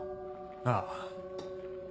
ああ。